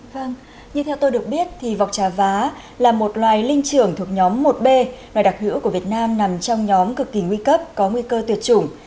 vâng như theo tôi được biết thì vọc trà vá là một loài linh trưởng thuộc nhóm một b loài đặc hữu của việt nam nằm trong nhóm cực kỳ nguy cấp có nguy cơ tuyệt chủng